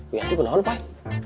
wianti kenapa lu pak